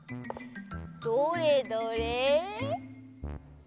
どれどれ？